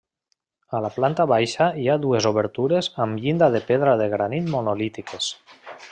A la planta baixa hi ha dues obertures amb llinda de pedra de granit monolítiques.